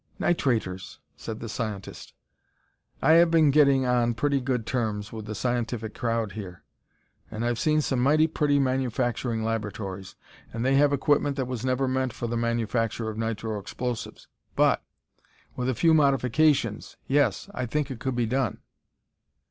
"Nitrators!" said the scientist. "I have been getting on pretty good terms with the scientific crowd here, and I've seen some mighty pretty manufacturing laboratories. And they have equipment that was never meant for the manufacture of nitro explosives, but, with a few modifications yes, I think it could be done."